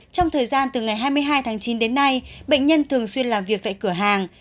trong thời gian từ ngày hai mươi hai tháng chín đến nay bệnh nhân thường xuyên làm việc tại cửa hàng